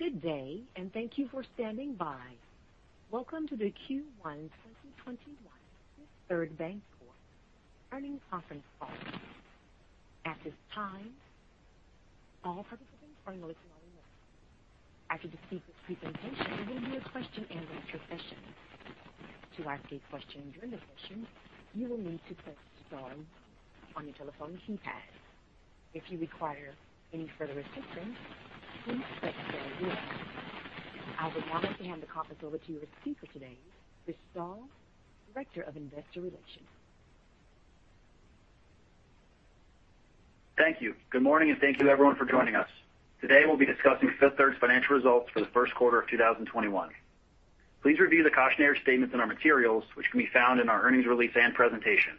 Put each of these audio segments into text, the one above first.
Good day, and thank you for standing by. Welcome to the Q1 2021 Fifth Third Bancorp earnings conference call. At this time, all participants are in a listen-only mode. After the speaker's presentation, there will be a question-and-answer session. To ask a question during the session, you will need to press star on your telephone keypad. If you require any further assistance, please let us know. I would now like to hand the conference over to your speaker today, Chris, Director of Investor Relations. Thank you. Good morning, and thank you everyone for joining us. Today, we'll be discussing Fifth Third's financial results for the first quarter of 2021. Please review the cautionary statements in our materials which can be found in our earnings release and presentation.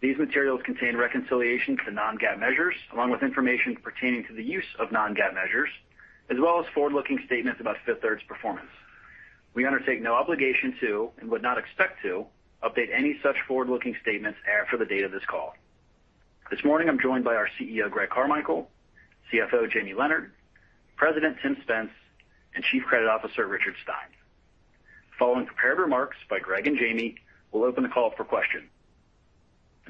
These materials contain reconciliation to non-GAAP measures along with information pertaining to the use of non-GAAP measures, as well as forward-looking statements about Fifth Third's performance. We undertake no obligation to and would not expect to update any such forward-looking statements after the date of this call. This morning, I'm joined by our CEO, Greg Carmichael; CFO, Jamie Leonard; President, Tim Spence; and Chief Credit Officer, Richard Stein. Following prepared remarks by Greg and Jamie, we'll open the call for questions.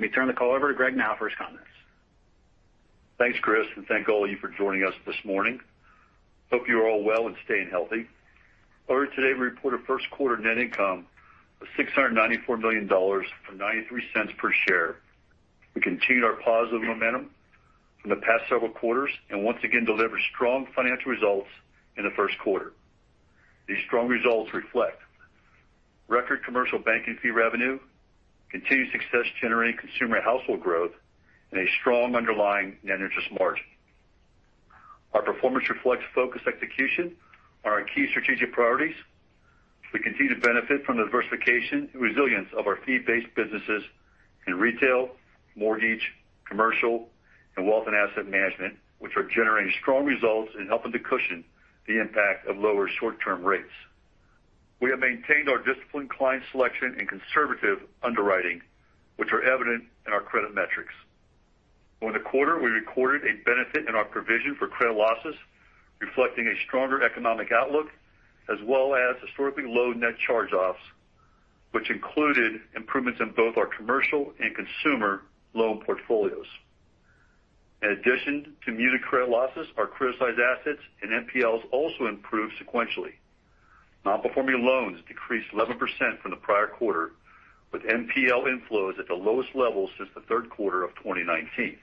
Let me turn the call over to Greg now for his comments. Thanks, Chris, and thank all of you for joining us this morning. Hope you are all well and staying healthy. Earlier today, we reported first quarter net income of $694 million, or $0.93 per share. We continued our positive momentum from the past several quarters and once again delivered strong financial results in the first quarter. These strong results reflect record commercial banking fee revenue, continued success generating consumer household growth, and a strong underlying net interest margin. Our performance reflects focused execution on our key strategic priorities. We continue to benefit from the diversification and resilience of our fee-based businesses in retail, mortgage, commercial, and wealth and asset management, which are generating strong results and helping to cushion the impact of lower short-term rates. We have maintained our disciplined client selection and conservative underwriting, which are evident in our credit metrics. Over the quarter, we recorded a benefit in our provision for credit losses, reflecting a stronger economic outlook as well as historically low net charge-offs, which included improvements in both our commercial and consumer loan portfolios. In addition to muted credit losses, our criticized assets and NPLs also improved sequentially. Non-performing loans decreased 11% from the prior quarter, with NPL inflows at the lowest level since the third quarter of 2019.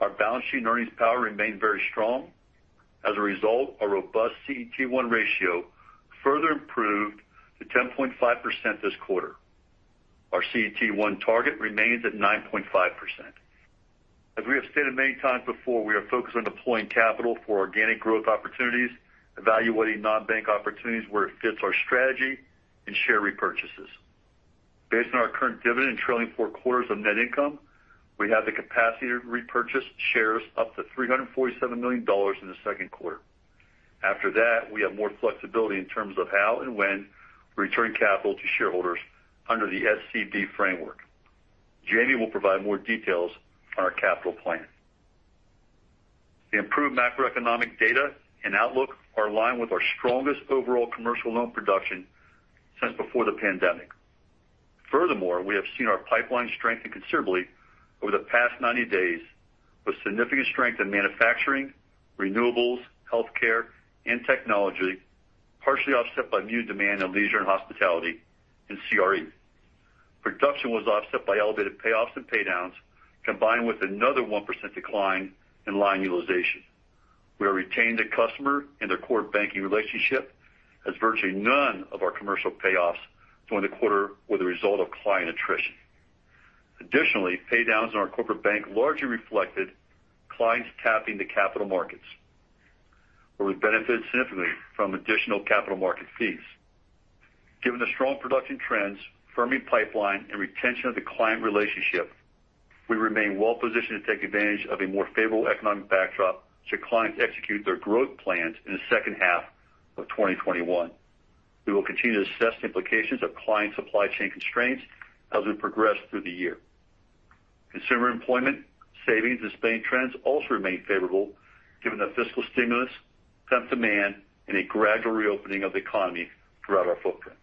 Our balance sheet and earnings power remained very strong. As a result, our robust CET1 ratio further improved to 10.5% this quarter. Our CET1 target remains at 9.5%. As we have stated many times before, we are focused on deploying capital for organic growth opportunities, evaluating non-bank opportunities where it fits our strategy and share repurchases. Based on our current dividend and trailing four quarters of net income, we have the capacity to repurchase shares up to $347 million in the second quarter. After that, we have more flexibility in terms of how and when we return capital to shareholders under the SCB framework. Jamie will provide more details on our capital plan. The improved macroeconomic data and outlook are aligned with our strongest overall commercial loan production since before the pandemic. Furthermore, we have seen our pipeline strengthen considerably over the past 90 days with significant strength in manufacturing, renewables, healthcare, and technology, partially offset by muted demand in leisure and hospitality and CRE. Production was offset by elevated payoffs and paydowns, combined with another 1% decline in line utilization. We are retaining the customer and their core banking relationship as virtually none of our commercial payoffs during the quarter were the result of client attrition. Additionally, paydowns in our corporate bank largely reflected clients tapping the capital markets, where we benefited significantly from additional capital market fees. Given the strong production trends, firming pipeline, and retention of the client relationship, we remain well positioned to take advantage of a more favorable economic backdrop should clients execute their growth plans in the second half of 2021. We will continue to assess the implications of client supply chain constraints as we progress through the year. Consumer employment, savings, and spending trends also remain favorable given the fiscal stimulus, pent-up demand, and a gradual reopening of the economy throughout our footprint.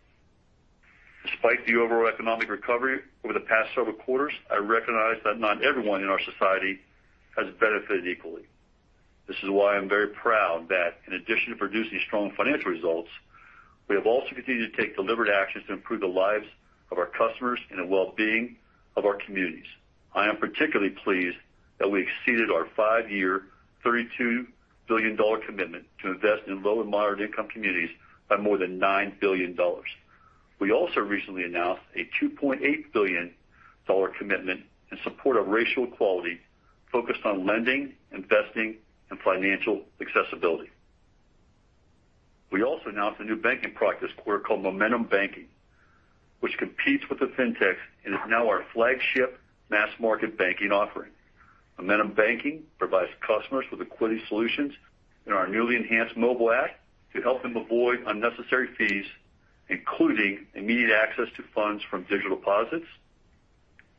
Despite the overall economic recovery over the past several quarters, I recognize that not everyone in our society has benefited equally. This is why I'm very proud that in addition to producing strong financial results, we have also continued to take deliberate actions to improve the lives of our customers and the well-being of our communities. I am particularly pleased that we exceeded our five-year $32 billion commitment to invest in low and moderate-income communities by more than $9 billion. We also recently announced a $2.8 billion commitment in support of racial equality focused on lending, investing, and financial accessibility. We also announced a new banking product package called Momentum Banking, which competes with the fintechs and is now our flagship mass-market banking offering. Momentum Banking provides customers with equity solutions in our newly enhanced mobile app to help them avoid unnecessary fees, including immediate access to funds from digital deposits,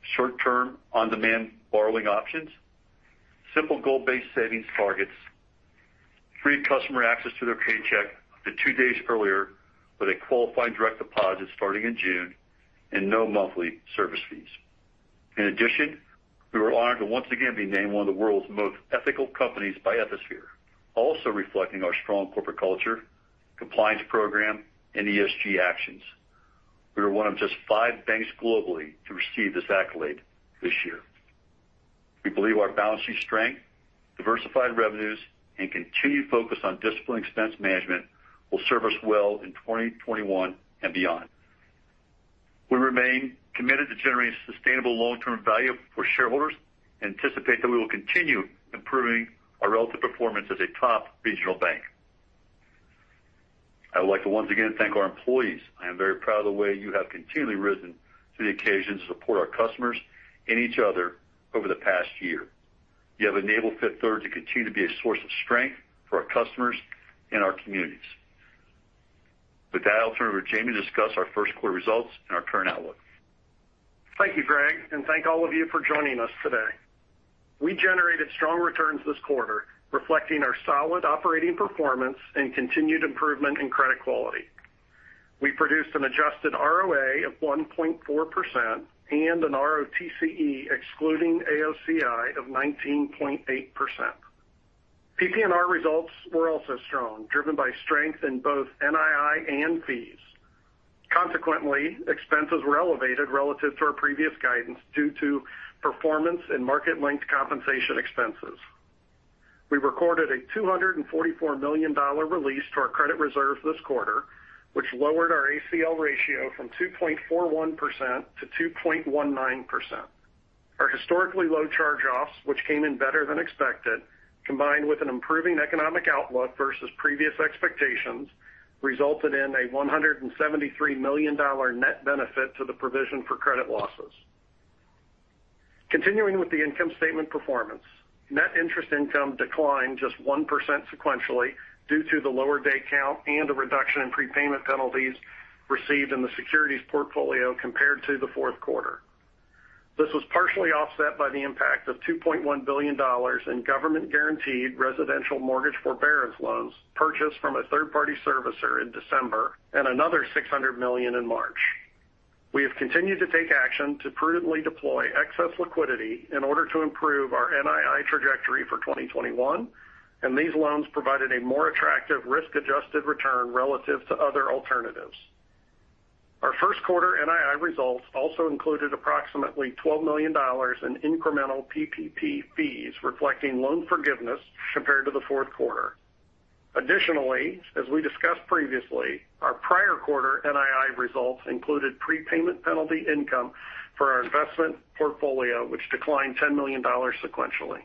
short-term on-demand borrowing options, simple goal-based savings targets, free customer access to their paycheck up to two days earlier with a qualifying direct deposit starting in June, and no monthly service fees. In addition, we were honored to once again be named one of the world's most ethical companies by Ethisphere, also reflecting our strong corporate culture, compliance program, and ESG actions. We were one of just five banks globally to receive this accolade this year. We believe our balance sheet strength, diversified revenues, and continued focus on disciplined expense management will serve us well in 2021 and beyond. We remain committed to generating sustainable long-term value for shareholders and anticipate that we will continue improving our relative performance as a top regional bank. I would like to once again thank our employees. I am very proud of the way you have continually risen to the occasion to support our customers and each other over the past year. You have enabled Fifth Third to continue to be a source of strength for our customers and our communities. With that, I'll turn it over to Jamie to discuss our first quarter results and our current outlook. Thank you, Greg, and thank all of you for joining us today. We generated strong returns this quarter, reflecting our solid operating performance and continued improvement in credit quality. We produced an adjusted ROA of 1.4% and an ROTCE excluding AOCI of 19.8%. PPNR results were also strong, driven by strength in both NII and fees. Consequently, expenses were elevated relative to our previous guidance due to performance and market-linked compensation expenses. We recorded a $244 million release to our credit reserves this quarter, which lowered our ACL ratio from 2.41% to 2.19%. Our historically low charge-offs, which came in better than expected, combined with an improving economic outlook versus previous expectations, resulted in a $173 million net benefit to the provision for credit losses. Continuing with the income statement performance. Net interest income declined just 1% sequentially due to the lower day count and a reduction in prepayment penalties received in the securities portfolio compared to the fourth quarter. This was partially offset by the impact of $2.1 billion in government-guaranteed residential mortgage forbearance loans purchased from a third-party servicer in December and another $600 million in March. We have continued to take action to prudently deploy excess liquidity in order to improve our NII trajectory for 2021, and these loans provided a more attractive risk-adjusted return relative to other alternatives. Our first quarter NII results also included approximately $12 million in incremental PPP fees reflecting loan forgiveness compared to the fourth quarter. Additionally, as we discussed previously, our prior quarter NII results included prepayment penalty income for our investment portfolio, which declined $10 million sequentially.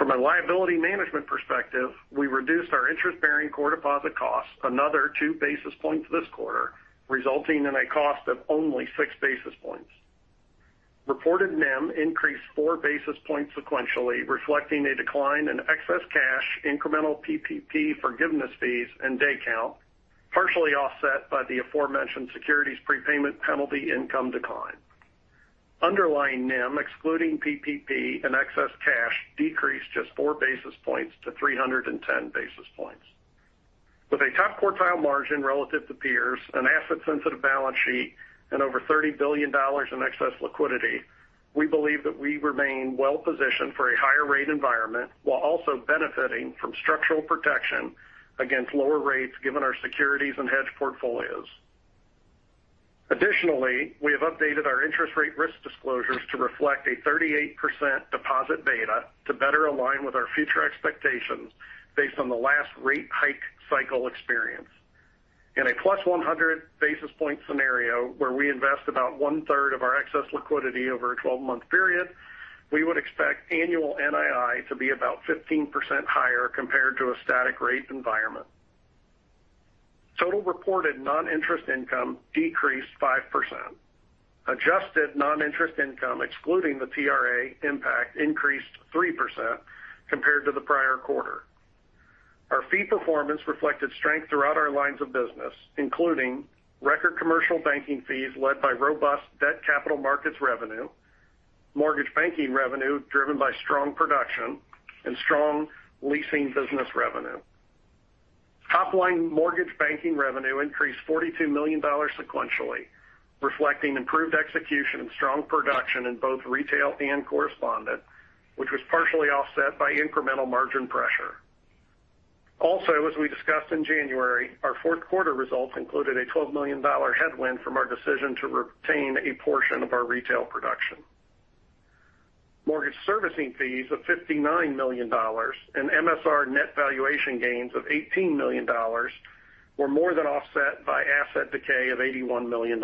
From a liability management perspective, we reduced our interest-bearing core deposit cost another two basis points this quarter, resulting in a cost of only six basis points. Reported NIM increased four basis points sequentially, reflecting a decline in excess cash, incremental PPP forgiveness fees, and day count, partially offset by the aforementioned securities prepayment penalty income decline. Underlying NIM, excluding PPP and excess cash, decreased just four basis points to 310 basis points. With a top quartile margin relative to peers, an asset-sensitive balance sheet, and over $30 billion in excess liquidity, we believe that we remain well positioned for a higher rate environment while also benefiting from structural protection against lower rates given our securities and hedge portfolios. Additionally, we have updated our interest rate risk disclosures to reflect a 38% deposit beta to better align with our future expectations based on the last rate hike cycle experience. In a plus 100 basis point scenario where we invest about one-third of our excess liquidity over a 12-month period, we would expect annual NII to be about 15% higher compared to a static rate environment. Total reported non-interest income decreased 5%. Adjusted non-interest income, excluding the TRA impact, increased 3% compared to the prior quarter. Our fee performance reflected strength throughout our lines of business, including record commercial banking fees led by robust debt capital markets revenue, mortgage banking revenue driven by strong production, and strong leasing business revenue. Top-line mortgage banking revenue increased $42 million sequentially, reflecting improved execution and strong production in both retail and correspondent, which was partially offset by incremental margin pressure. Also, as we discussed in January, our fourth quarter results included a $12 million headwind from our decision to retain a portion of our retail production. Mortgage servicing fees of $59 million and MSR net valuation gains of $18 million were more than offset by asset decay of $81 million.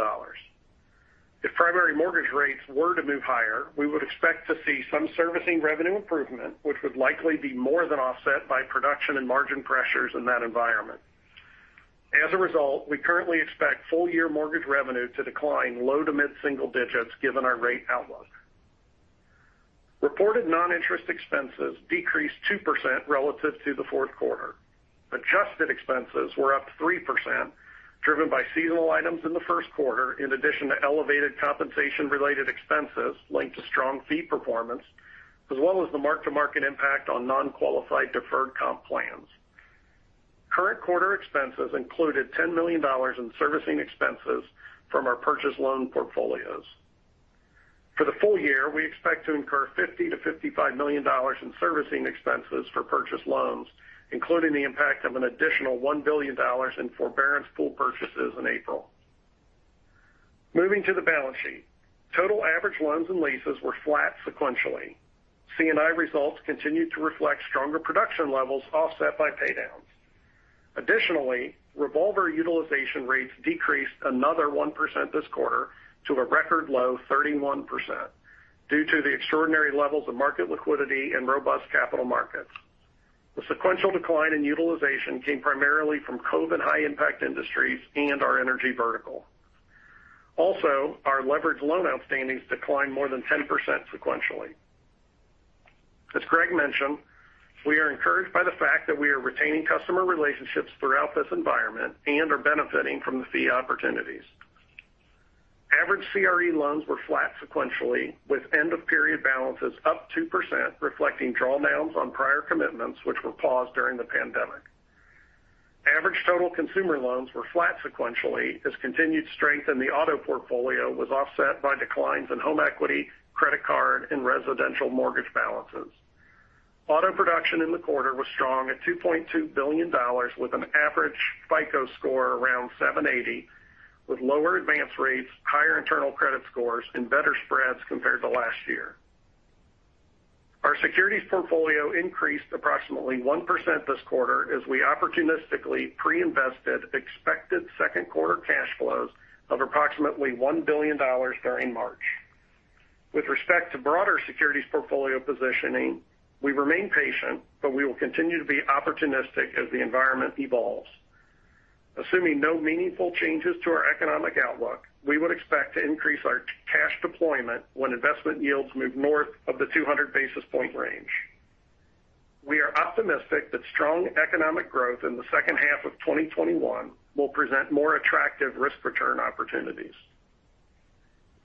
If primary mortgage rates were to move higher, we would expect to see some servicing revenue improvement, which would likely be more than offset by production and margin pressures in that environment. As a result, we currently expect full-year mortgage revenue to decline low to mid-single digits given our rate outlook. Reported non-interest expenses decreased 2% relative to the fourth quarter. Adjusted expenses were up 3%, driven by seasonal items in the first quarter, in addition to elevated compensation-related expenses linked to strong fee performance, as well as the mark-to-market impact on non-qualified deferred comp plans. Current quarter expenses included $10 million in servicing expenses from our purchase loan portfolios. For the full year, we expect to incur $50 million-$55 million in servicing expenses for purchased loans, including the impact of an additional $1 billion in forbearance pool purchases in April. Moving to the balance sheet. Total average loans and leases were flat sequentially. C&I results continued to reflect stronger production levels offset by paydowns. Additionally, revolver utilization rates decreased another 1% this quarter to a record low 31% due to the extraordinary levels of market liquidity and robust capital markets. The sequential decline in utilization came primarily from COVID high impact industries and our energy vertical. Our leveraged loan outstandings declined more than 10% sequentially. As Greg mentioned, we are encouraged by the fact that we are retaining customer relationships throughout this environment and are benefiting from the fee opportunities. Average CRE loans were flat sequentially, with end-of-period balances up 2%, reflecting drawdowns on prior commitments which were paused during the pandemic. Average total consumer loans were flat sequentially as continued strength in the auto portfolio was offset by declines in home equity, credit card, and residential mortgage balances. Auto production in the quarter was strong at $2.2 billion, with an average FICO score around 780, with lower advance rates, higher internal credit scores, and better spreads compared to last year. Our securities portfolio increased approximately 1% this quarter as we opportunistically pre-invested expected second quarter cash flows of approximately $1 billion during March. With respect to broader securities portfolio positioning, we remain patient, but we will continue to be opportunistic as the environment evolves. Assuming no meaningful changes to our economic outlook, we would expect to increase our cash deployment when investment yields move north of the 200 basis point range. We are optimistic that strong economic growth in the second half of 2021 will present more attractive risk-return opportunities.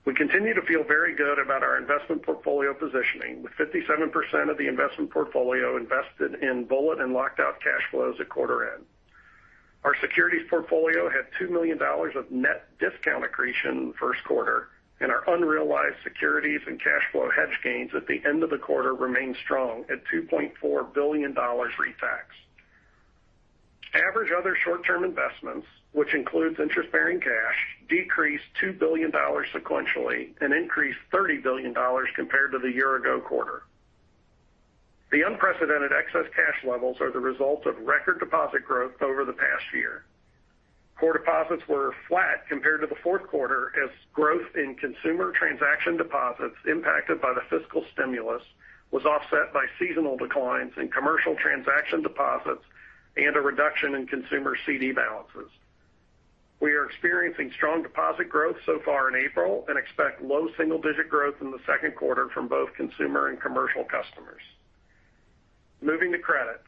We continue to feel very good about our investment portfolio positioning, with 57% of the investment portfolio invested in bullet and locked-out cash flows at quarter end. Our securities portfolio had $2 million of net discount accretion in the first quarter, and our unrealized securities and cash flow hedge gains at the end of the quarter remain strong at $2.4 billion pre-tax. Average other short-term investments, which includes interest-bearing cash, decreased $2 billion sequentially and increased $30 billion compared to the year-ago quarter. The unprecedented excess cash levels are the result of record deposit growth over the past year. Core deposits were flat compared to the fourth quarter as growth in consumer transaction deposits impacted by the fiscal stimulus was offset by seasonal declines in commercial transaction deposits and a reduction in consumer CD balances. We are experiencing strong deposit growth so far in April and expect low single-digit growth in the second quarter from both consumer and commercial customers. Moving to credit.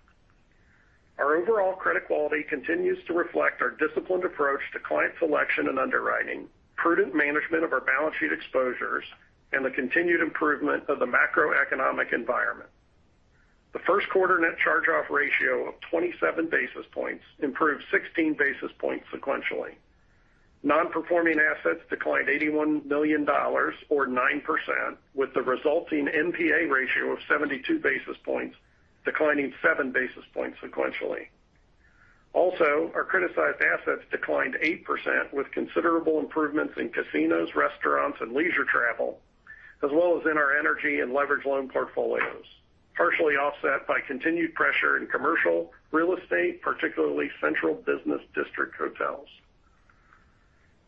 Our overall credit quality continues to reflect our disciplined approach to client selection and underwriting, prudent management of our balance sheet exposures, and the continued improvement of the macroeconomic environment. The first quarter net charge-off ratio of 27 basis points improved 16 basis points sequentially. Non-performing assets declined $81 million, or 9%, with the resulting NPA ratio of 72 basis points declining seven basis points sequentially. Also, our criticized assets declined 8% with considerable improvements in casinos, restaurants, and leisure travel, as well as in our energy and leverage loan portfolios, partially offset by continued pressure in commercial real estate, particularly central business district hotels.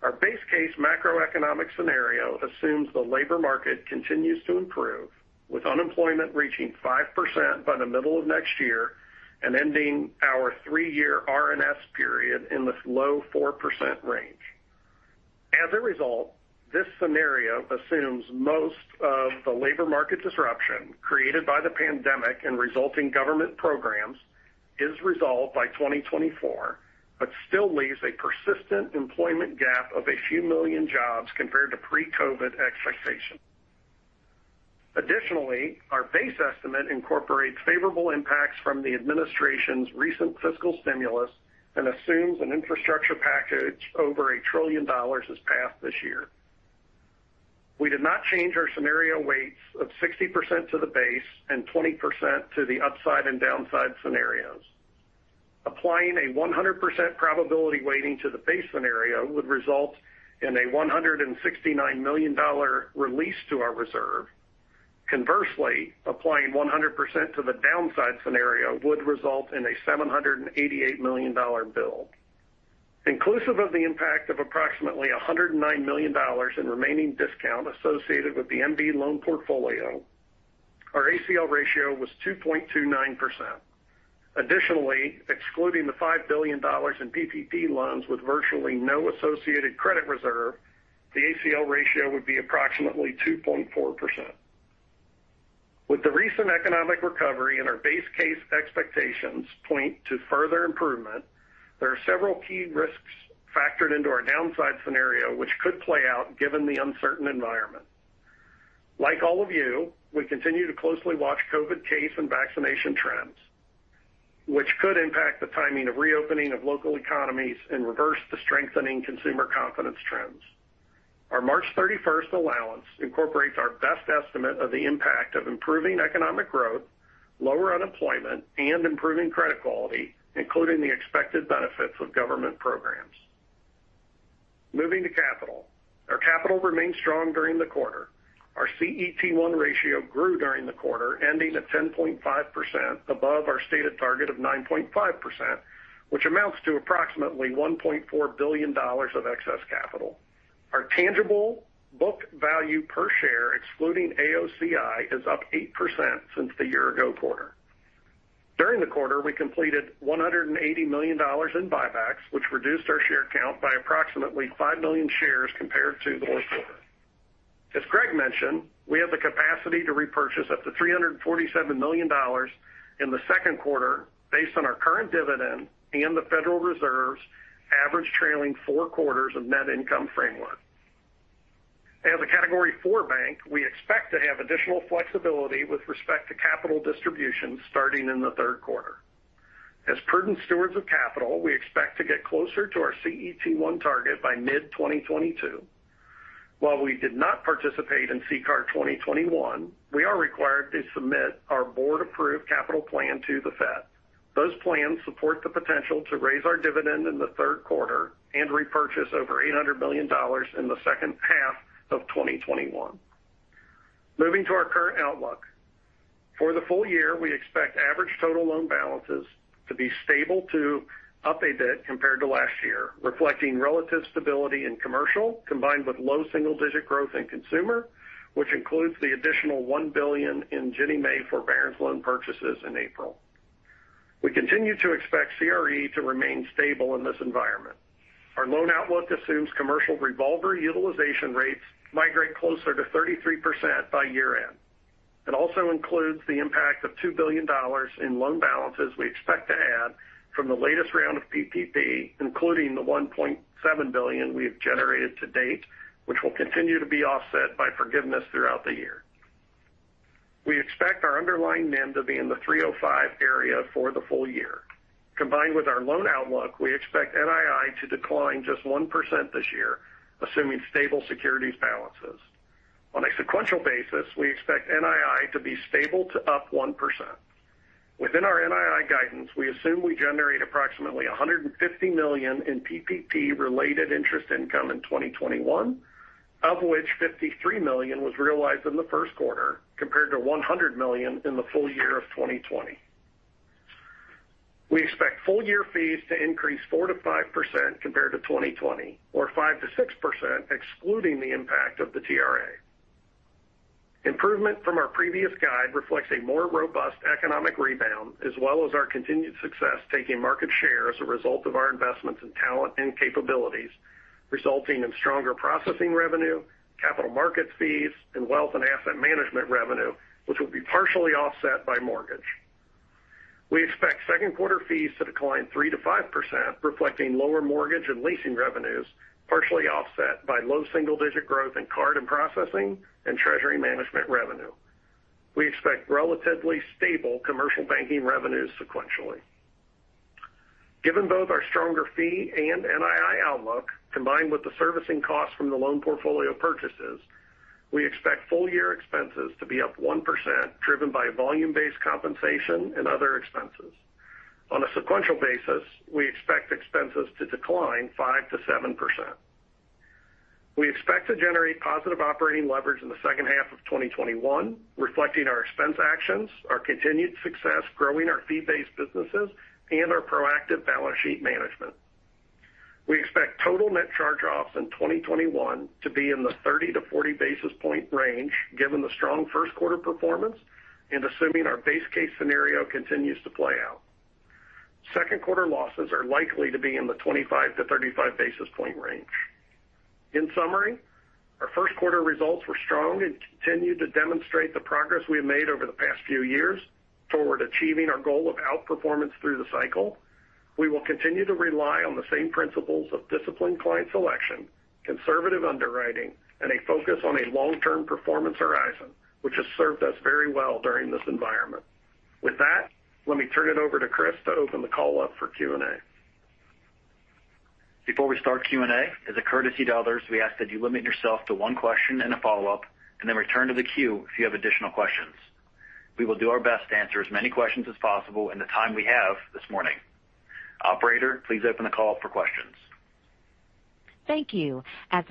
Our base case macroeconomic scenario assumes the labor market continues to improve, with unemployment reaching 5% by the middle of next year and ending our three-year R&S period in the low 4% range. As a result, this scenario assumes most of the labor market disruption created by the pandemic and resulting government programs is resolved by 2024, but still leaves a persistent employment gap of a few million jobs compared to pre-COVID expectations. Additionally, our base estimate incorporates favorable impacts from the administration's recent fiscal stimulus and assumes an infrastructure package over $1 trillion is passed this year. We did not change our scenario weights of 60% to the base and 20% to the upside and downside scenarios. Applying a 100% probability weighting to the base scenario would result in a $169 million release to our reserve. Conversely, applying 100% to the downside scenario would result in a $788 million bill. Inclusive of the impact of approximately $109 million in remaining discount associated with the MB loan portfolio, our ACL ratio was 2.29%. Additionally, excluding the $5 billion in PPP loans with virtually no associated credit reserve, the ACL ratio would be approximately 2.4%. With the recent economic recovery and our base case expectations point to further improvement, there are several key risks factored into our downside scenario which could play out given the uncertain environment. Like all of you, we continue to closely watch COVID case and vaccination trends, which could impact the timing of reopening of local economies and reverse the strengthening consumer confidence trends. Our March 31st allowance incorporates our best estimate of the impact of improving economic growth, lower unemployment, and improving credit quality, including the expected benefits of government programs. Moving to capital. Our capital remained strong during the quarter. Our CET1 ratio grew during the quarter, ending at 10.5%, above our stated target of 9.5%, which amounts to approximately $1.4 billion of excess capital. Our tangible book value per share, excluding AOCI, is up 8% since the year ago quarter. During the quarter, we completed $180 million in buybacks, which reduced our share count by approximately 5 million shares compared to the fourth quarter. As Greg mentioned, we have the capacity to repurchase up to $347 million in the second quarter based on our current dividend and the Federal Reserve's average trailing four quarters of net income framework. As a Category IV bank, we expect to have additional flexibility with respect to capital distribution starting in the third quarter. As prudent stewards of capital, we expect to get closer to our CET1 target by mid-2022. While we did not participate in CCAR 2021, we are required to submit our board-approved capital plan to the Fed. Those plans support the potential to raise our dividend in the third quarter and repurchase over $800 million in the second half of 2021. Moving to our current outlook. For the full year, we expect average total loan balances to be stable to up a bit compared to last year, reflecting relative stability in commercial, combined with low single-digit growth in consumer, which includes the additional $1 billion in Ginnie Mae forbearance loan purchases in April. We continue to expect CRE to remain stable in this environment. Our loan outlook assumes commercial revolver utilization rates migrate closer to 33% by year-end. It also includes the impact of $2 billion in loan balances we expect to add from the latest round of PPP, including the $1.7 billion we have generated to date, which will continue to be offset by forgiveness throughout the year. We expect our underlying NIM to be in the 305 area for the full year. Combined with our loan outlook, we expect NII to decline just 1% this year, assuming stable securities balances. On a sequential basis, we expect NII to be stable to up 1%. Within our NII guidance, we assume we generate approximately $150 million in PPP-related interest income in 2021, of which $53 million was realized in the first quarter, compared to $100 million in the full year of 2020. We expect full year fees to increase 4%-5% compared to 2020, or 5%-6% excluding the impact of the TRA. Improvement from our previous guide reflects a more robust economic rebound, as well as our continued success taking market share as a result of our investments in talent and capabilities, resulting in stronger processing revenue, capital markets fees, and wealth and asset management revenue, which will be partially offset by mortgage. We expect second quarter fees to decline 3%-5%, reflecting lower mortgage and leasing revenues, partially offset by low single-digit growth in card and processing and treasury management revenue. We expect relatively stable commercial banking revenues sequentially. Given both our stronger fee and NII outlook, combined with the servicing cost from the loan portfolio purchases, we expect full year expenses to be up 1%, driven by volume-based compensation and other expenses. On a sequential basis, we expect expenses to decline 5%-7%. We expect to generate positive operating leverage in the second half of 2021, reflecting our expense actions, our continued success growing our fee-based businesses, and our proactive balance sheet management. We expect total net charge-offs in 2021 to be in the 30-40 basis point range, given the strong first quarter performance and assuming our base case scenario continues to play out. Second quarter losses are likely to be in the 25-35 basis point range. In summary, our first quarter results were strong and continued to demonstrate the progress we have made over the past few years toward achieving our goal of outperformance through the cycle. We will continue to rely on the same principles of disciplined client selection, conservative underwriting, and a focus on a long-term performance horizon, which has served us very well during this environment. With that, let me turn it over to Chris to open the call up for Q&A. Before we start Q&A, as a courtesy to others, we ask that you limit yourself to one question and a follow-up, and then return to the queue if you have additional questions. We will do our best to answer as many questions as possible in the time we have this morning. Operator, please open the call up for questions. Thank you. Your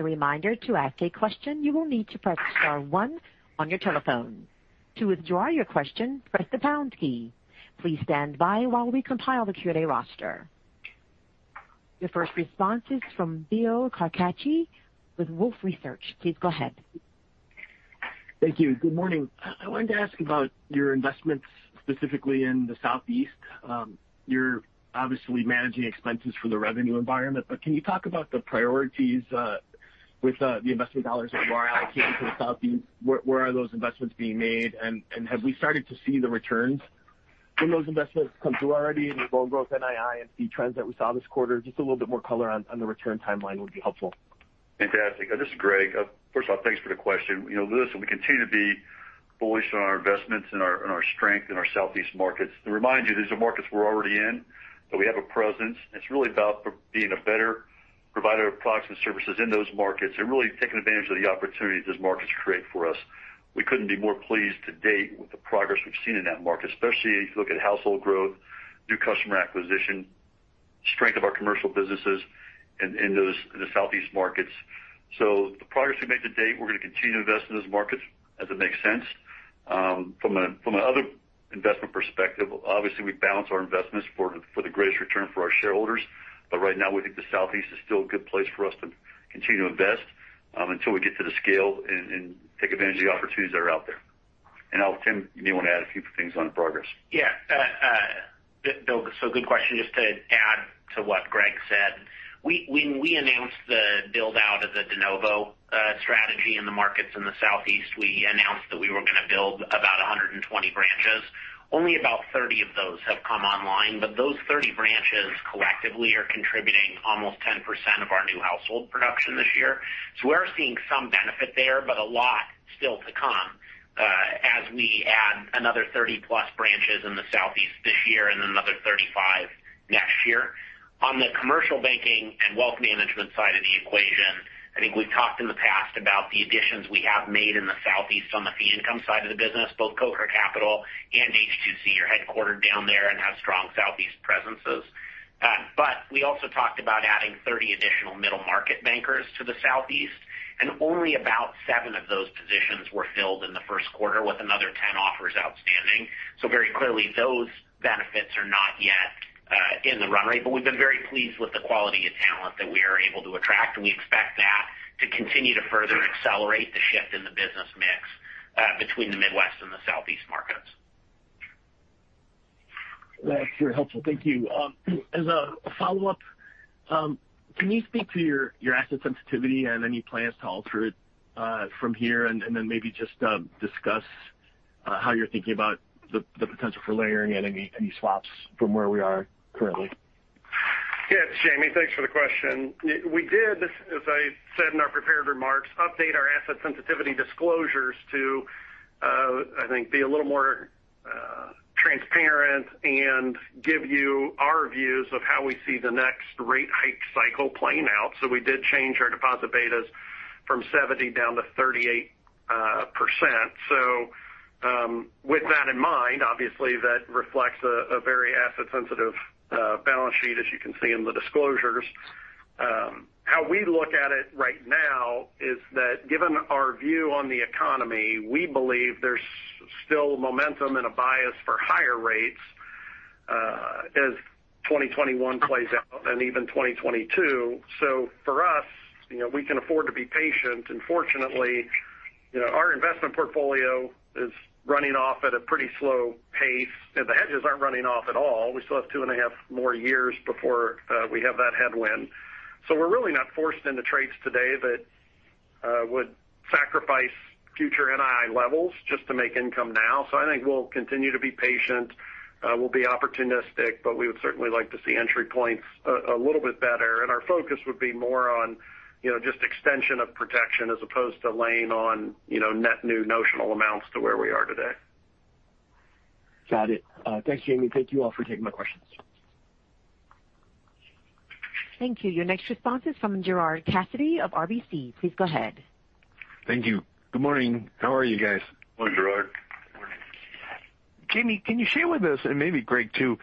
first response is from Bill Carcache with Wolfe Research. Please go ahead. Thank you. Good morning. I wanted to ask about your investments specifically in the Southeast. You're obviously managing expenses for the revenue environment. Can you talk about the priorities with the investment dollars that you are allocating to the Southeast? Where are those investments being made? Have we started to see the returns from those investments come through already in the loan growth NII and fee trends that we saw this quarter? Just a little bit more color on the return timeline would be helpful. Fantastic. This is Greg. First of all, thanks for the question. Louis, we continue to be bullish on our investments and our strength in our Southeast markets. To remind you, these are markets we're already in, so we have a presence. It's really about being a better provider of products and services in those markets and really taking advantage of the opportunities those markets create for us. We couldn't be more pleased to date with the progress we've seen in that market, especially if you look at household growth, new customer acquisition, strength of our commercial businesses in the Southeast markets. The progress we made to date, we're going to continue to invest in those markets as it makes sense. From another investment perspective, obviously we balance our investments for the greatest return for our shareholders. Right now, we think the Southeast is still a good place for us to continue to invest until we get to the scale and take advantage of the opportunities that are out there. Tim, you may want to add a few things on progress. Yeah. Bill, good question. Just to add to what Greg said, when we announced the build-out of the de novo strategy in the markets in the Southeast. We announced that we were going to build about 120 branches. Only about 30 of those have come online. Those 30 branches collectively are contributing almost 10% of our new household production this year. We're seeing some benefit there, a lot still to come as we add another 30-plus branches in the Southeast this year and another 35 next year. On the commercial banking and wealth management side of the equation, I think we've talked in the past about the additions we have made in the Southeast on the fee income side of the business. Both Coker Capital and H2C are headquartered down there and have strong Southeast presences. We also talked about adding 30 additional middle-market bankers to the Southeast, and only about seven of those positions were filled in the first quarter with another 10 offers outstanding. Very clearly, those benefits are not yet in the run rate. We've been very pleased with the quality of talent that we are able to attract, and we expect that to continue to further accelerate the shift in the business mix between the Midwest and the Southeast markets. That's very helpful. Thank you. As a follow-up, can you speak to your asset sensitivity and any plans to alter it from here? Maybe just discuss how you're thinking about the potential for layering any swaps from where we are currently. Yes, Jamie, thanks for the question. We did, as I said in our prepared remarks, update our asset sensitivity disclosures to, I think, be a little more transparent and give you our views of how we see the next rate hike cycle playing out. We did change our deposit betas from 70 down to 38%. With that in mind, obviously that reflects a very asset-sensitive balance sheet, as you can see in the disclosures. How we look at it right now is that given our view on the economy, we believe there's still momentum and a bias for higher rates as 2021 plays out and even 2022. For us, we can afford to be patient. Fortunately, our investment portfolio is running off at a pretty slow pace, and the hedges aren't running off at all. We still have two and a half more years before we have that headwind. We're really not forced into trades today that would sacrifice future NII levels just to make income now. I think we'll continue to be patient. We'll be opportunistic, but we would certainly like to see entry points a little bit better. Our focus would be more on just extension of protection as opposed to laying on net new notional amounts to where we are today. Got it. Thanks, Jamie. Thank you all for taking my questions. Thank you. Your next response is from Gerard Cassidy of RBC. Please go ahead. Thank you. Good morning. How are you guys? Good morning, Gerard. Good morning. Jamie, can you share with us, and maybe Greg too.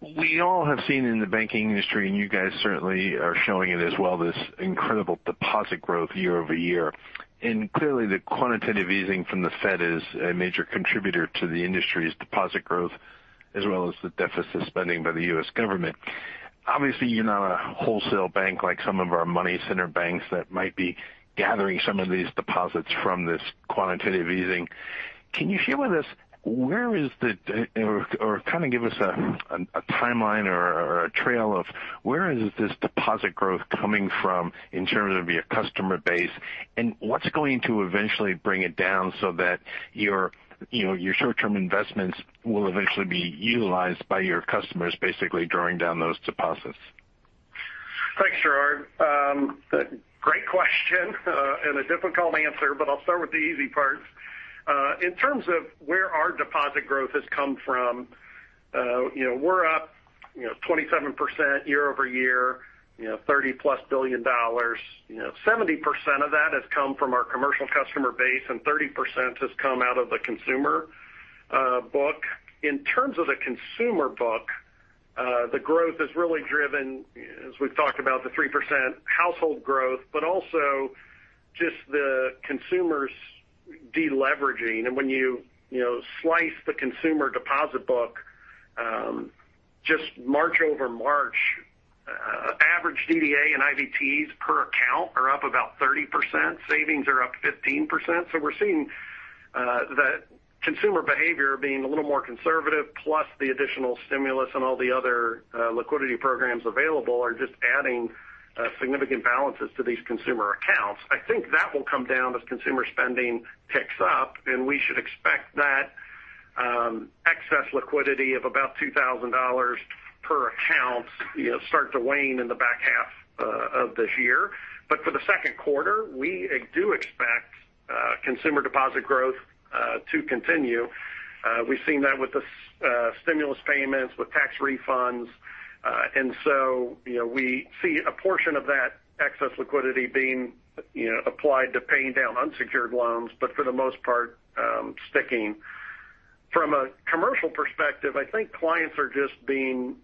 We all have seen in the banking industry, you guys certainly are showing it as well, this incredible deposit growth year-over-year. Clearly, the quantitative easing from the Fed is a major contributor to the industry's deposit growth as well as the deficit spending by the U.S. government. Obviously, you're not a wholesale bank like some of our money center banks that might be gathering some of these deposits from this quantitative easing. Can you share with us where is or kind of give us a timeline or a trail of where is this deposit growth coming from in terms of your customer base? What's going to eventually bring it down so that your short-term investments will eventually be utilized by your customers, basically drawing down those deposits? Thanks, Gerard. Great question. A difficult answer, but I'll start with the easy part. In terms of where our deposit growth has come from, we're up 27% year-over-year, $30-plus billion. 70% of that has come from our commercial customer base, and 30% has come out of the consumer book. In terms of the consumer book, the growth is really driven, as we've talked about, the 3% household growth, but also just the consumers de-leveraging. When you slice the consumer deposit book just March over March, average DDA and IVTs per account are up about 30%. Savings are up 15%. We're seeing that consumer behavior being a little more conservative, plus the additional stimulus and all the other liquidity programs available are just adding significant balances to these consumer accounts. I think that will come down as consumer spending picks up, and we should expect that excess liquidity of about $2,000 per account start to wane in the back half of this year. For the second quarter, we do expect consumer deposit growth to continue. We've seen that with the stimulus payments, with tax refunds. We see a portion of that excess liquidity being applied to paying down unsecured loans, but for the most part, sticking. From a commercial perspective, I think clients are just being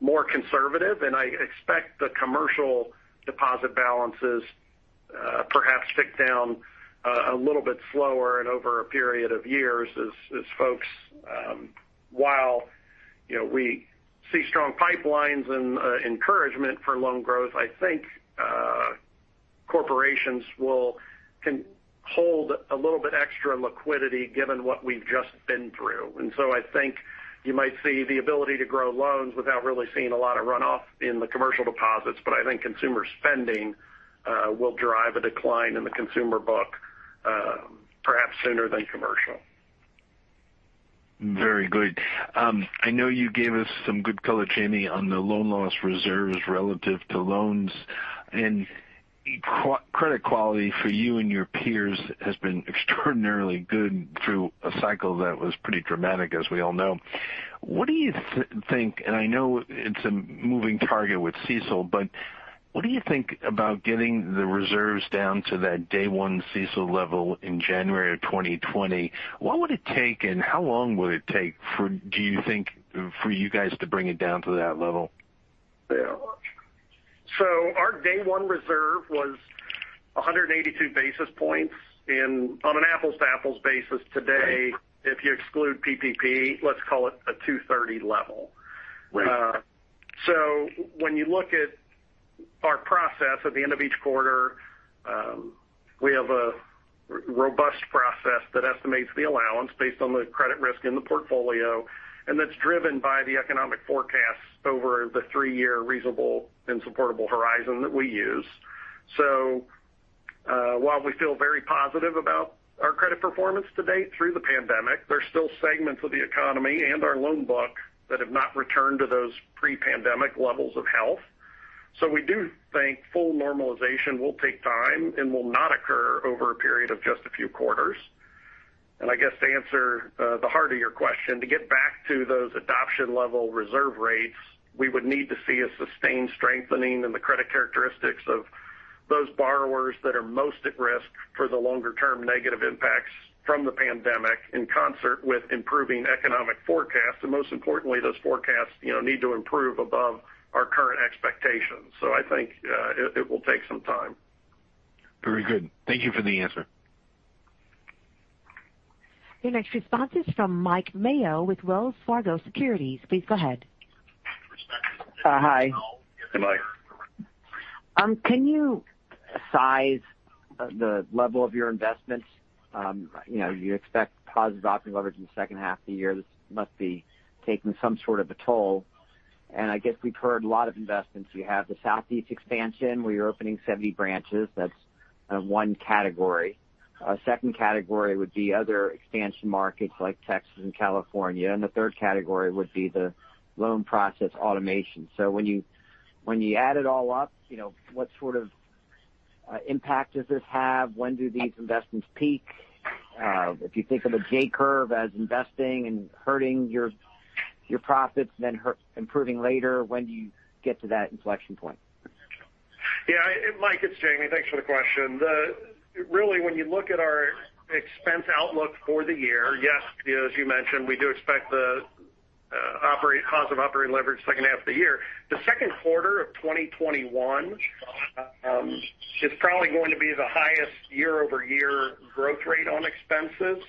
more conservative, and I expect the commercial deposit balances perhaps tick down a little bit slower and over a period of years. While we see strong pipelines and encouragement for loan growth, I think corporations can hold a little bit extra liquidity given what we've just been through. I think you might see the ability to grow loans without really seeing a lot of runoff in the commercial deposits. I think consumer spending will drive a decline in the consumer book, perhaps sooner than commercial. Very good. I know you gave us some good color, Jamie, on the loan loss reserves relative to loans. Credit quality for you and your peers has been extraordinarily good through a cycle that was pretty dramatic, as we all know. What do you think, and I know it's a moving target with CECL, but what do you think about getting the reserves down to that day one CECL level in January of 2020? What would it take and how long will it take, do you think, for you guys to bring it down to that level? Our day one reserve was 182 basis points on an apples-to-apples basis today. If you exclude PPP, let's call it a 230 level. Right. When you look at our process at the end of each quarter, we have a robust process that estimates the allowance based on the credit risk in the portfolio, and that's driven by the economic forecast over the three-year reasonable and supportable horizon that we use. While we feel very positive about our credit performance to date through the pandemic, there's still segments of the economy and our loan book that have not returned to those pre-pandemic levels of health. We do think full normalization will take time and will not occur over a period of just a few quarters. I guess to answer the heart of your question, to get back to those adoption level reserve rates, we would need to see a sustained strengthening in the credit characteristics of those borrowers that are most at risk for the longer-term negative impacts from the pandemic in concert with improving economic forecasts. Most importantly, those forecasts need to improve above our current expectations. I think it will take some time. Very good. Thank you for the answer. Your next response is from Mike Mayo with Wells Fargo Securities. Please go ahead. Hi. Hey, Mike. Can you size the level of your investments? You expect positive operating leverage in the second half of the year. This must be taking some sort of a toll. I guess we've heard a lot of investments. You have the Southeast expansion, where you're opening 70 branches. That's one category. A second category would be other expansion markets like Texas and California, and the third category would be the loan process automation. When you add it all up, what sort of impact does this have? When do these investments peak? If you think of a J curve as investing and hurting your profits, then improving later, when do you get to that inflection point? Yeah. Mike, it's Jamie. Thanks for the question. Really, when you look at our expense outlook for the year, yes, as you mentioned, we do expect the positive operating leverage second half of the year. The second quarter of 2021 is probably going to be the highest year-over-year growth rate on expenses.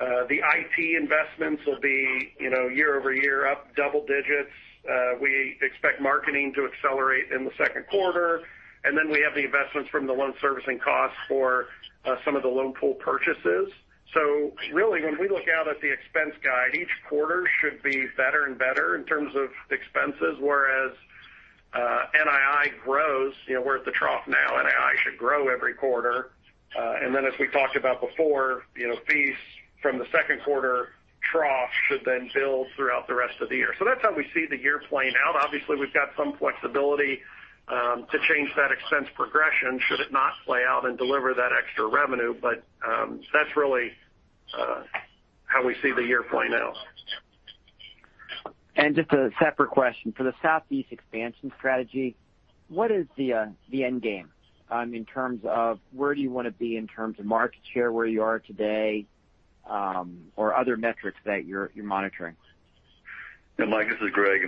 The IT investments will be year-over-year up double digits. We expect marketing to accelerate in the second quarter, and then we have the investments from the loan servicing costs for some of the loan pool purchases. Really, when we look out at the expense guide, each quarter should be better and better in terms of expenses. Whereas NII grows, we're at the trough now. NII should grow every quarter. As we talked about before, fees from the second quarter trough should then build throughout the rest of the year. That's how we see the year playing out. Obviously, we've got some flexibility to change that expense progression should it not play out and deliver that extra revenue. That's really how we see the year playing out. Just a separate question. For the Southeast expansion strategy, what is the end game in terms of where do you want to be in terms of market share, where you are today, or other metrics that you're monitoring? Mike, this is Greg.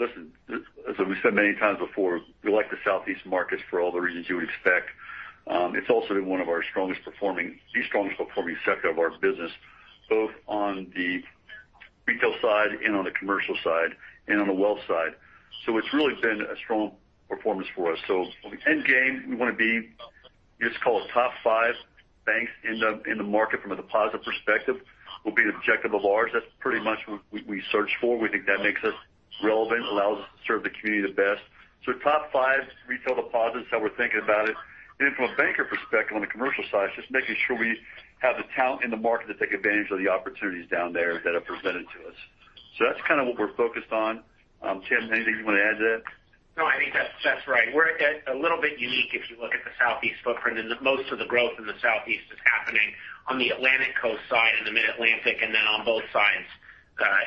Listen, as we've said many times before, we like the Southeast markets for all the reasons you would expect. It's also been one of the strongest performing sector of our business, both on the retail side and on the commercial side, and on the wealth side. It's really been a strong performance for us. On the end game, we want to be, let's call it top five banks in the market from a deposit perspective. We'll be an objective of ours. That's pretty much what we search for. We think that makes us relevant, allows us to serve the community the best. Top five retail deposits, how we're thinking about it. From a banker perspective on the commercial side, just making sure we have the talent in the market to take advantage of the opportunities down there that are presented to us. That's kind of what we're focused on. Tim, anything you want to add to that? No, I think that's right. We're a little bit unique if you look at the Southeast footprint, and most of the growth in the Southeast is happening on the Atlantic Coast side and the Mid-Atlantic, and then on both sides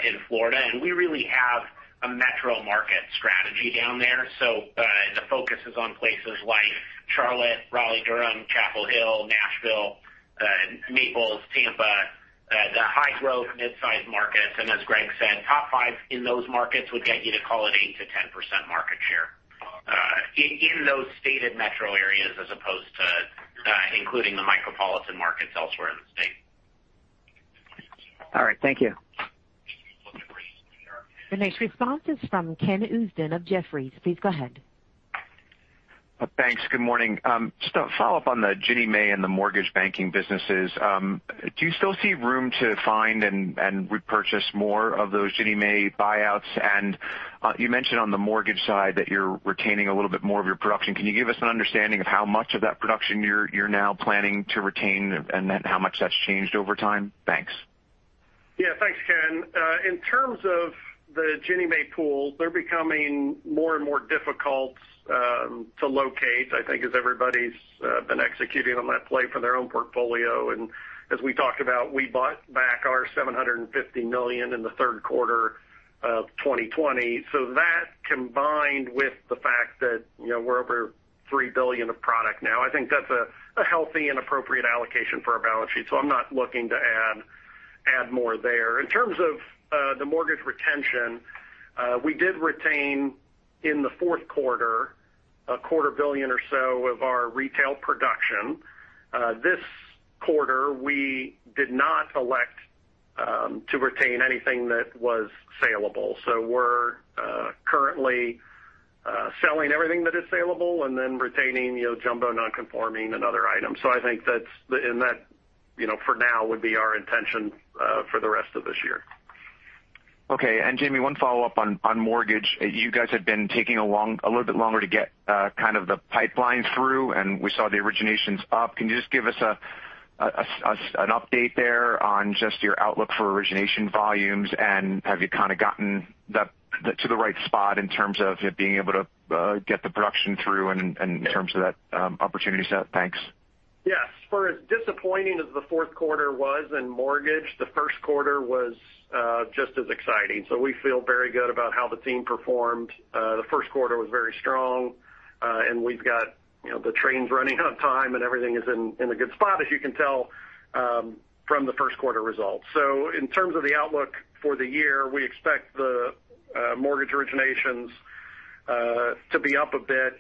in Florida. We really have a metro market strategy down there. The focus is on places like Charlotte, Raleigh-Durham, Chapel Hill, Nashville, Naples, Tampa, the high-growth mid-sized markets. As Greg said, top five in those markets would get you to call it 8%-10% market share in those stated metro areas, as opposed to including the micropolitan markets elsewhere in the state. All right, thank you. The next response is from Ken Usdin of Jefferies. Please go ahead. Thanks. Good morning. Just a follow-up on the Ginnie Mae and the mortgage banking businesses. Do you still see room to find and repurchase more of those Ginnie Mae buyouts? You mentioned on the mortgage side that you're retaining a little bit more of your production. Can you give us an understanding of how much of that production you're now planning to retain and then how much that's changed over time? Thanks. Thanks, Ken. In terms of the Ginnie Mae pool, they're becoming more and more difficult to locate, I think as everybody's been executing on that play for their own portfolio. As we talked about, we bought back our $750 million in the third quarter of 2020. That combined with the fact that we're over $3 billion of product now, I think that's a healthy and appropriate allocation for our balance sheet. I'm not looking to add more there. In terms of the mortgage retention, we did retain in the fourth quarter a quarter billion or so of our retail production. This quarter, we did not elect to retain anything that was saleable. We're currently selling everything that is saleable and then retaining jumbo non-conforming and other items. I think that for now would be our intention for the rest of this year. Okay. Jamie, one follow-up on mortgage. You guys have been taking a little bit longer to get kind of the pipeline through, and we saw the originations up. Can you just give us an update there on just your outlook for origination volumes? Have you kind of gotten that to the right spot in terms of being able to get the production through and in terms of that opportunity set? Thanks. Yes. For as disappointing as the fourth quarter was in mortgage, the first quarter was just as exciting. We feel very good about how the team performed. The first quarter was very strong, and we've got the trains running on time and everything is in a good spot, as you can tell from the first quarter results. In terms of the outlook for the year, we expect the mortgage originations to be up a bit,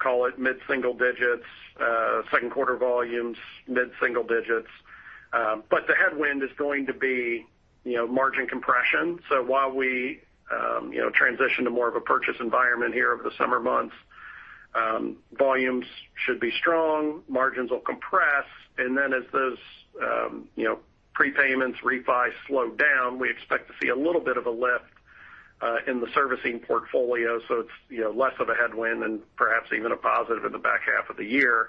call it mid-single digits, second quarter volumes, mid-single digits. The headwind is going to be margin compression. While we transition to more of a purchase environment here over the summer months, volumes should be strong, margins will compress. Then as those prepayments, refi slow down, we expect to see a little bit of a lift in the servicing portfolio. It's less of a headwind and perhaps even a positive in the back half of the year.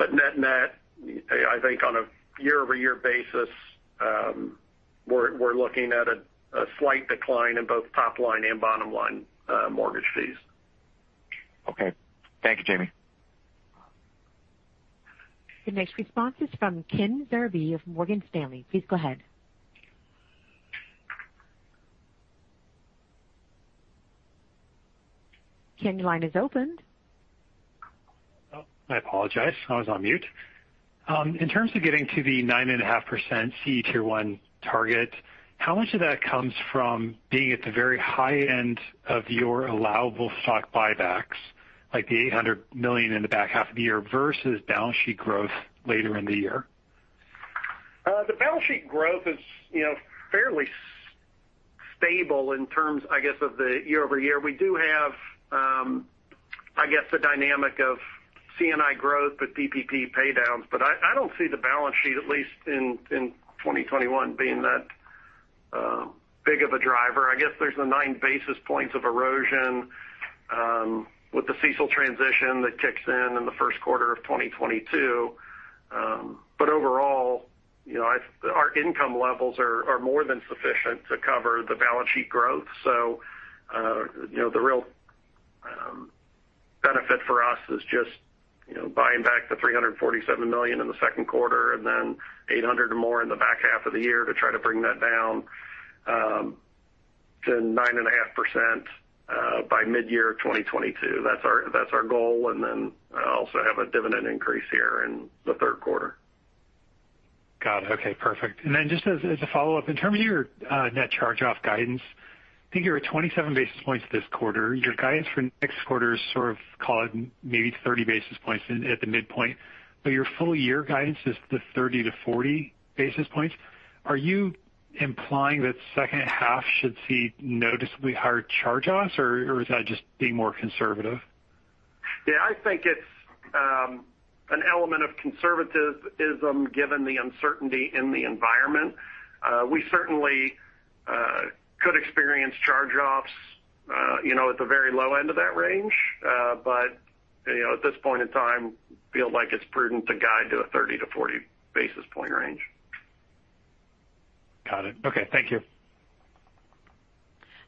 Net net, I think on a year-over-year basis, we're looking at a slight decline in both top line and bottom line mortgage fees. Okay. Thank you, Jamie. The next response is from Kenneth Zerbe of Morgan Stanley. Please go ahead. Ken, your line is open. I apologize. I was on mute. In terms of getting to the 9.5% CET1 target, how much of that comes from being at the very high end of your allowable stock buybacks, like the $800 million in the back half of the year versus balance sheet growth later in the year? The balance sheet growth is fairly stable in terms, I guess, of the year over year. We do have, I guess, the dynamic of C&I growth with PPP paydowns. I don't see the balance sheet, at least in 2021, being that big of a driver. I guess there's the nine basis points of erosion with the CECL transition that kicks in in the first quarter of 2022. Overall, our income levels are more than sufficient to cover the balance sheet growth. The real benefit for us is just buying back the $347 million in the second quarter and then $800 or more in the back half of the year to try to bring that down to 9.5% by mid-year 2022. That's our goal. Also have a dividend increase here in the third quarter. Got it. Okay, perfect. Just as a follow-up, in terms of your net charge-off guidance, I think you're at 27 basis points this quarter. Your guidance for next quarter is sort of call it maybe 30 basis points at the midpoint, your full-year guidance is the 30-40 basis points. Are you implying that second half should see noticeably higher charge-offs, or is that just being more conservative? Yeah, I think it's an element of conservatism given the uncertainty in the environment. We certainly could experience charge-offs at the very low end of that range. At this point in time, feel like it's prudent to guide to a 30-40 basis point range. Got it. Okay. Thank you.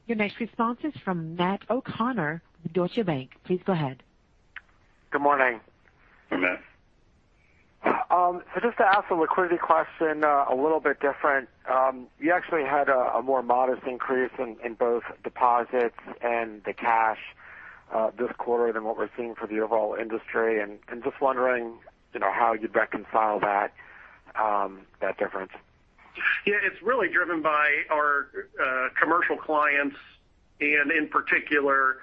Your next response is from Matt O'Connor with Deutsche Bank. Please go ahead. Good morning. Hey, Matt. Just to ask a liquidity question a little bit different. You actually had a more modest increase in both deposits and the cash, this quarter than what we're seeing for the overall industry, and just wondering how you'd reconcile that difference. Yeah. It's really driven by our commercial clients and in particular,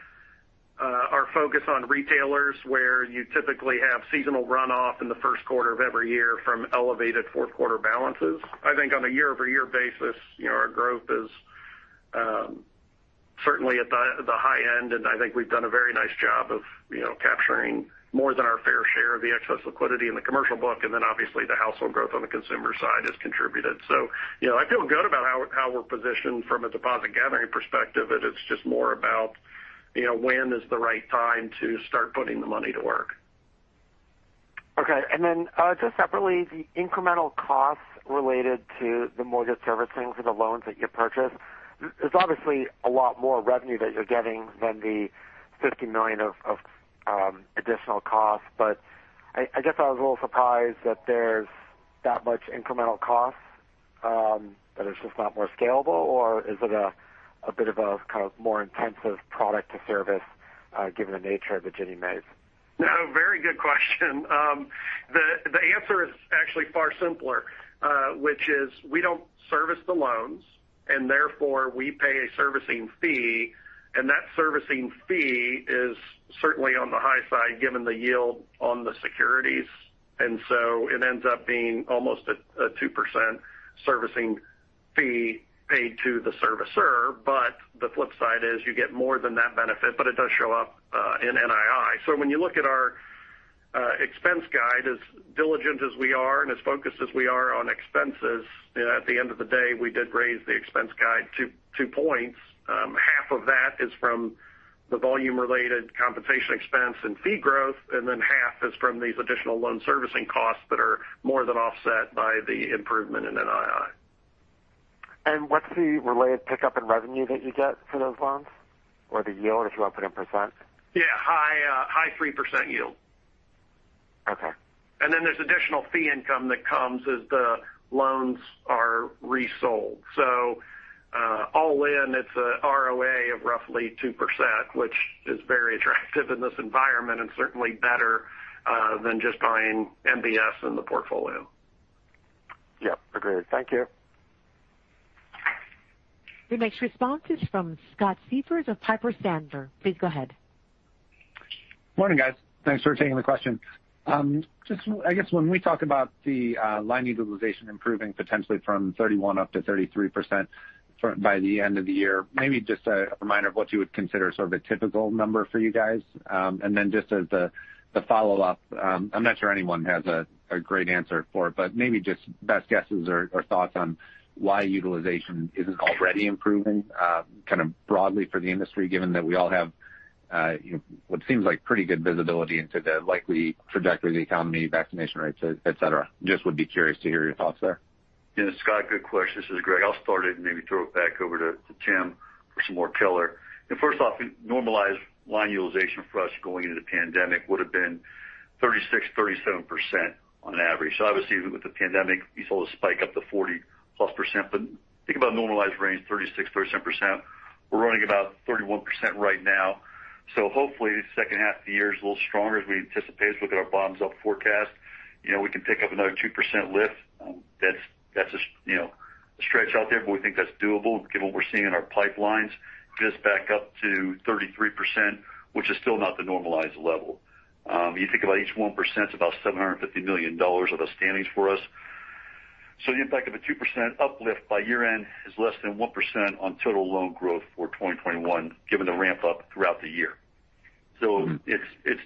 our focus on retailers, where you typically have seasonal runoff in the first quarter of every year from elevated fourth quarter balances. I think on a year-over-year basis, our growth is certainly at the high end, and I think we've done a very nice job of capturing more than our fair share of the excess liquidity in the commercial book, and then obviously the household growth on the consumer side has contributed. I feel good about how we're positioned from a deposit gathering perspective, and it's just more about when is the right time to start putting the money to work. Okay. Just separately, the incremental costs related to the mortgage servicing for the loans that you purchased. There's obviously a lot more revenue that you're getting than the $50 million of additional costs. I guess I was a little surprised that there's that much incremental cost, that it's just not more scalable, or is it a bit of a kind of more intensive product to service, given the nature of the Ginnie Maes? No, very good question. The answer is actually far simpler, which is we don't service the loans and therefore we pay a servicing fee, and that servicing fee is certainly on the high side, given the yield on the securities. It ends up being almost a 2% servicing fee paid to the servicer. The flip side is you get more than that benefit, but it does show up in NII. When you look at our expense guide, as diligent as we are and as focused as we are on expenses, at the end of the day, we did raise the expense guide two points. Half of that is from the volume-related compensation expense and fee growth, half is from these additional loan servicing costs that are more than offset by the improvement in NII. What's the related pickup in revenue that you get for those loans? Or the yield, if you want to put it in %? Yeah. High 3% yield. Okay. There's additional fee income that comes as the loans are resold. All in, it's a ROA of roughly 2%, which is very attractive in this environment and certainly better than just buying MBS in the portfolio. Yep. Agreed. Thank you. The next response is from Scott Siefers of Piper Sandler. Please go ahead. Morning, guys. Thanks for taking the question. I guess when we talk about the line utilization improving potentially from 31 up to 33% by the end of the year, maybe just a reminder of what you would consider sort of a typical number for you guys. Then just as the follow-up, I'm not sure anyone has a great answer for it, but maybe just best guesses or thoughts on why utilization isn't already improving kind of broadly for the industry, given that we all have what seems like pretty good visibility into the likely trajectory of the economy, vaccination rates, et cetera. Just would be curious to hear your thoughts there. Yeah, Scott, good question. This is Greg. I'll start it and maybe throw it back over to Tim for some more color. First off, normalized line utilization for us going into the pandemic would've been 36%, 37% on average. Obviously with the pandemic, you saw the spike up to 40%+ percent. Think about normalized range, 36%, 37%. We're running about 31% right now. Hopefully the second half of the year is a little stronger as we anticipate as we look at our bottoms-up forecast. We can pick up another 2% lift. That's a stretch out there, but we think that's doable given what we're seeing in our pipelines. Get us back up to 33%, which is still not the normalized level. You think about each 1%, it's about $750 million of outstandings for us. The impact of a 2% uplift by year-end is less than 1% on total loan growth for 2021, given the ramp-up throughout the year. It's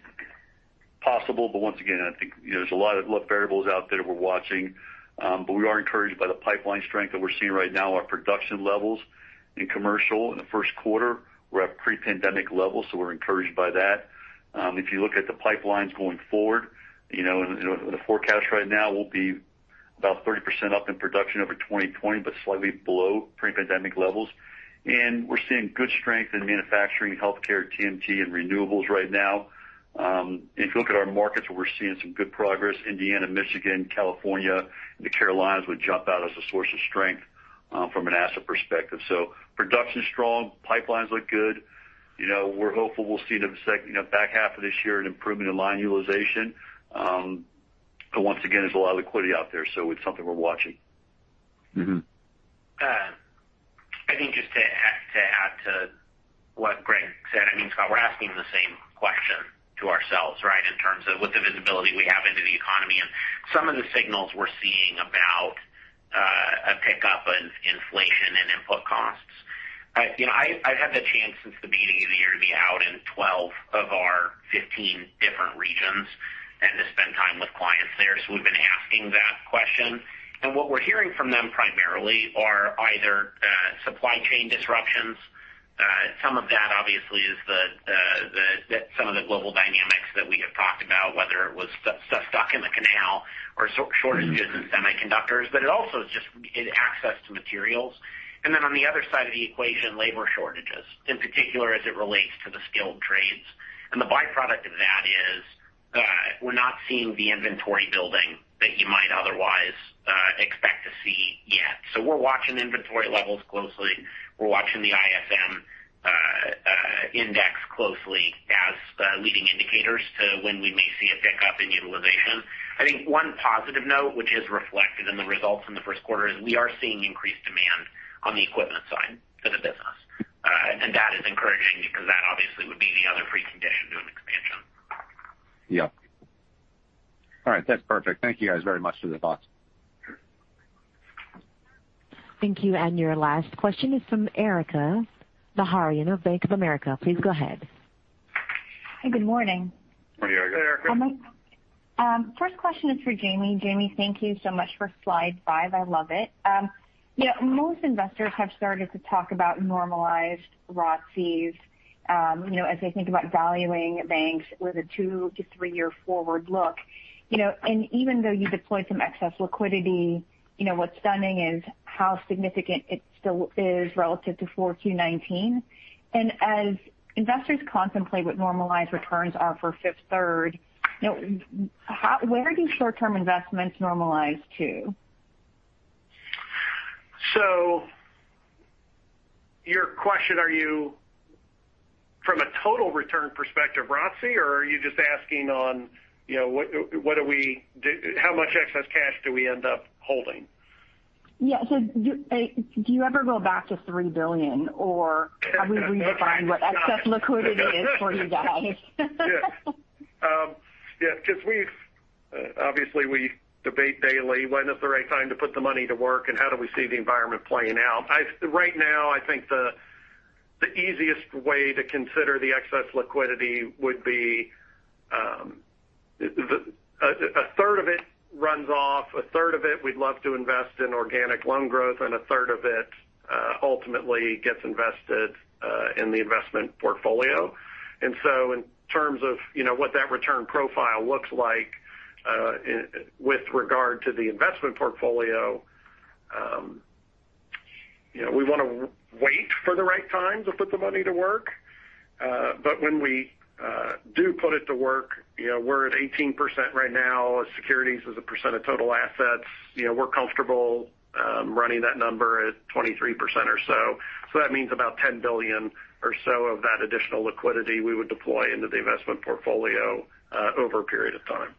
possible, but once again, I think there's a lot of variables out there we're watching. We are encouraged by the pipeline strength that we're seeing right now. Our production levels in commercial in the first quarter were at pre-pandemic levels, so we're encouraged by that. If you look at the pipelines going forward, the forecast right now, we'll be about 30% up in production over 2020, but slightly below pre-pandemic levels. We're seeing good strength in manufacturing, healthcare, TMT, and renewables right now. If you look at our markets where we're seeing some good progress, Indiana, Michigan, California, and the Carolinas would jump out as a source of strength. From an asset perspective. Production is strong, pipelines look good. We're hopeful we'll see in the back half of this year an improvement in line utilization. Once again, there's a lot of liquidity out there, so it's something we're watching. I think just to add to what Greg said, Scott, we're asking the same question to ourselves, right? In terms of with the visibility we have into the economy and some of the signals we're seeing about a pickup in inflation and input costs. I've had the chance since the beginning of the year to be out in 12 of our 15 different regions and to spend time with clients there. We've been asking that question. What we're hearing from them primarily are either supply chain disruptions. Some of that obviously is some of the global dynamics that we have talked about, whether it was stuff stuck in the canal or shortages. in semiconductors, but it also is just access to materials. Then on the other side of the equation, labor shortages, in particular as it relates to the skilled trades. The byproduct of that is we're not seeing the inventory building that you might otherwise expect to see yet. We're watching inventory levels closely. We're watching the ISM Manufacturing Index closely as leading indicators to when we may see a pickup in utilization. I think one positive note, which is reflected in the results in the first quarter, is we are seeing increased demand on the equipment side of the business. That is encouraging because that obviously would be the other precondition to an expansion. Yep. All right. That's perfect. Thank you guys very much for the thoughts. Thank you. Your last question is from Erika Najarian of Bank of America. Please go ahead. Hi, good morning. Morning, Erika. Hey, Erika. First question is for Jamie. Jamie, thank you so much for slide five. I love it. Most investors have started to talk about normalized ROTCEs as they think about valuing banks with a two- to three-year forward look. Even though you deployed some excess liquidity, what's stunning is how significant it still is relative to 4Q 2019. As investors contemplate what normalized returns are for Fifth Third, where do short-term investments normalize to? Your question, are you from a total return perspective ROTCE, or are you just asking on how much excess cash do we end up holding? Yeah. Do you ever go back to $3 billion? Have we redefined what excess liquidity is for you guys? Yes. Obviously we debate daily when is the right time to put the money to work and how do we see the environment playing out. Right now, I think the easiest way to consider the excess liquidity would be a third of it runs off, a third of it we'd love to invest in organic loan growth, and a third of it ultimately gets invested in the investment portfolio. In terms of what that return profile looks like with regard to the investment portfolio, we want to wait for the right time to put the money to work. When we do put it to work, we're at 18% right now as securities as a percent of total assets. We're comfortable running that number at 23% or so. That means about $10 billion or so of that additional liquidity we would deploy into the investment portfolio over a period of time.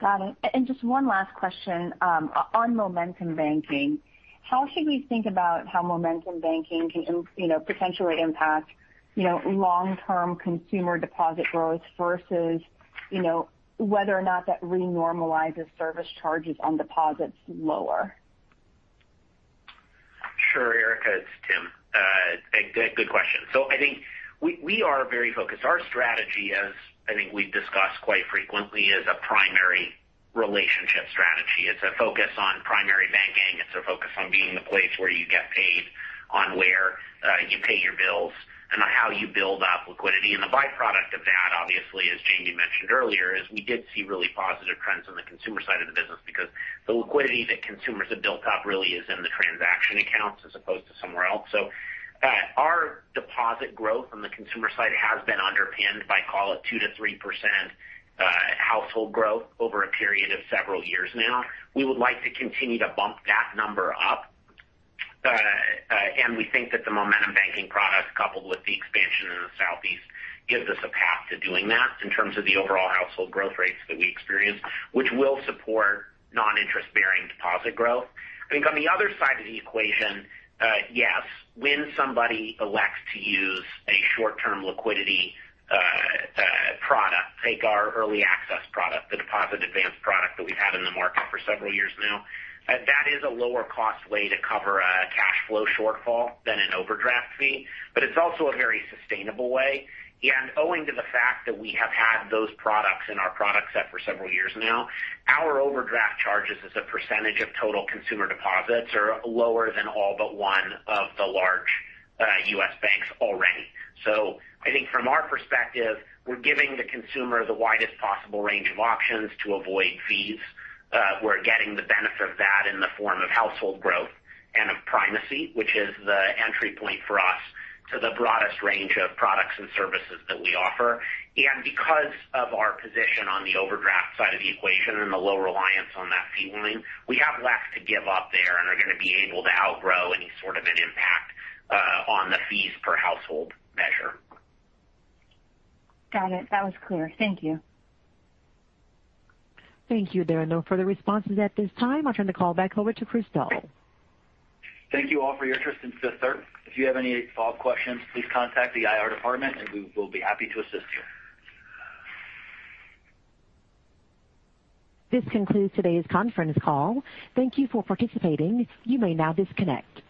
Got it. Just one last question. On Momentum Banking, how should we think about how Momentum Banking can potentially impact long-term consumer deposit growth versus whether or not that re-normalizes service charges on deposits lower? Sure, Erika, it's Tim. Good question. I think we are very focused. Our strategy, as I think we've discussed quite frequently, is a primary relationship strategy. It's a focus on primary banking. It's a focus on being the place where you get paid, on where you pay your bills and how you build up liquidity. The byproduct of that, obviously, as Jamie mentioned earlier, is we did see really positive trends on the consumer side of the business because the liquidity that consumers have built up really is in the transaction accounts as opposed to somewhere else. Our deposit growth on the consumer side has been underpinned by call it 2%-3% household growth over a period of several years now. We would like to continue to bump that number up. We think that the Momentum Banking products, coupled with the expansion in the Southeast, gives us a path to doing that in terms of the overall household growth rates that we experience, which will support non-interest-bearing deposit growth. I think on the other side of the equation, yes, when somebody elects to use a short-term liquidity product, take our Early Pay product, the deposit advance product that we've had in the market for several years now. That is a lower-cost way to cover a cash flow shortfall than an overdraft fee, but it's also a very sustainable way. Owing to the fact that we have had those products in our product set for several years now, our overdraft charges as a percentage of total consumer deposits are lower than all but one of the large U.S. banks already. I think from our perspective, we're giving the consumer the widest possible range of options to avoid fees. We're getting the benefit of that in the form of household growth and of primacy, which is the entry point for us to the broadest range of products and services that we offer. Because of our position on the overdraft side of the equation and the low reliance on that fee line, we have less to give up there and are going to be able to outgrow any sort of an impact on the fees per household measure. Got it. That was clear. Thank you. Thank you. There are no further responses at this time. I'll turn the call back over to Chris Doll. Thank you all for your interest in Fifth Third. If you have any follow-up questions, please contact the IR department and we will be happy to assist you. This concludes today's conference call. Thank you for participating. You may now disconnect.